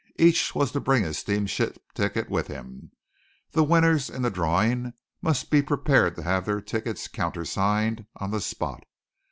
Each was to bring his steamship ticket with him. The winners in the drawing must be prepared to have their tickets countersigned on the spot.